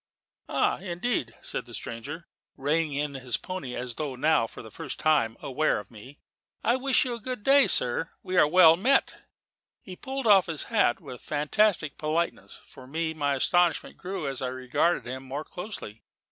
"Ah, indeed!" said the stranger, reining in his pony as though now for the first time aware of me: "I wish you a very good day, sir. We are well met." He pulled off his hat with a fantastic politeness. For me, my astonishment grew as I regarded him more closely.